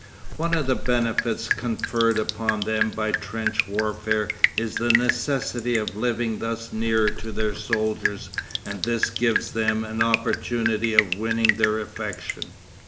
One of the benefits conferred upon them by trench warfare is the necessity of living thus nearer to their soldiers, and this gives them an opportunity of winning their affection.